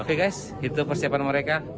ok guys itu persiapan mereka